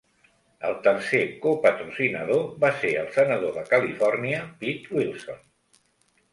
El tercer co-patrocinador va ser el senador de Califòrnia Pete Wilson.